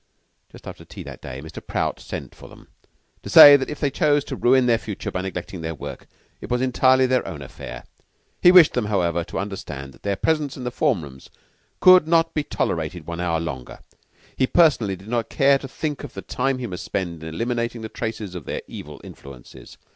Just after tea that day, Mr. Prout sent for them to say that if they chose to ruin their future by neglecting their work, it was entirely their own affair. He wished them, however, to understand that their presence in the form rooms could not be tolerated one hour longer. He personally did not care to think of the time he must spend in eliminating the traces of their evil influences.